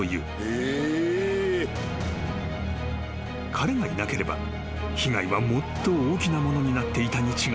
［彼がいなければ被害はもっと大きなものになっていたに違いない］